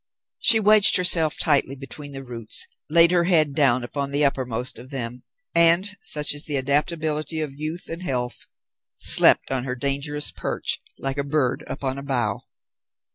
She wedged herself tightly between the roots, laid her head down upon the uppermost of them, and, such is the adaptability of youth and health, slept on her dangerous perch like a bird upon a bough.